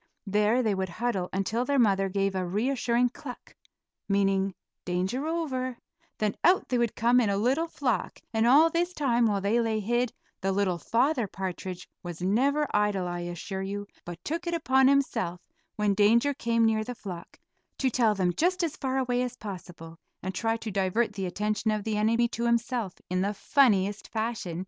There they would huddle until their mother gave a reassuring cluck, meaning "danger over," then out they would come in a little flock, and all this time while they lay hid, the little Father Partridge was never idle, I assure you, but took it upon himself, when danger came near the flock, to tell them just as far away as possible, and try to divert the attention of the enemy to himself in the funniest fashion.